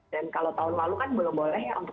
dan kalau tahun lalu kan belum boleh ya untuk